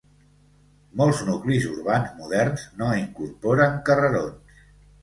Molts nuclis urbans moderns no incorporen carrerons.